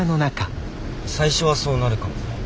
最初はそうなるかもね。